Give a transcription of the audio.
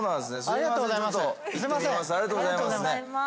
ありがとうございます。